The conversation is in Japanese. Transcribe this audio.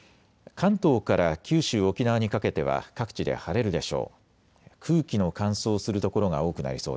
関東から九州、沖縄にかけては各地で晴れるでしょう。